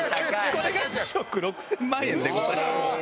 これが１億６０００万円でございます。